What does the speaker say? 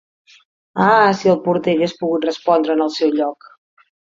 Ah, si el porter hagués pogut respondre en el seu lloc